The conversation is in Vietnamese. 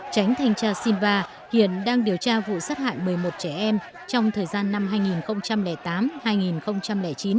tránh thanh tra siva hiện đang điều tra vụ sát hại một mươi một trẻ em trong thời gian năm hai nghìn tám hai nghìn chín